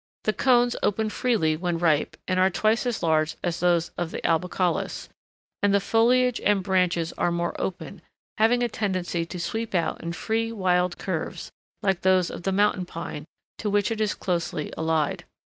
The cones open freely when ripe, and are twice as large as those of the albicaulis, and the foliage and branches are more open, having a tendency to sweep out in free, wild curves, like those of the Mountain Pine, to which it is closely allied.